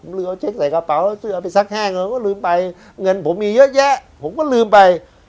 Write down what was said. เอ้ยเอาเช็คใส่กระเป๋าเอาไปซักแห้งก็ลืมไปเงินผมมีเยอะแยะผมก็ลืมไป